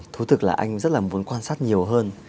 thú thực là anh rất là muốn quan sát nhiều hơn